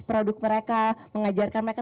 produk mereka mengajarkan mereka